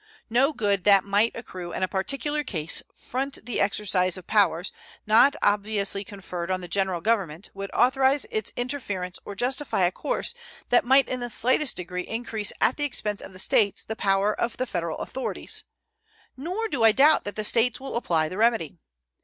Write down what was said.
No good that might accrue in a particular case front the exercise of powers not obviously conferred on the General Government would authorize its interference or justify a course that might in the slightest degree increase at the expense of the States the power of the Federal authorities; nor do I doubt that the States will apply the remedy.